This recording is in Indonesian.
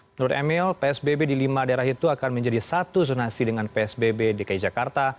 menurut emil psbb di lima daerah itu akan menjadi satu zonasi dengan psbb dki jakarta